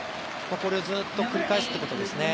これをずっと繰り返すっていうことですね。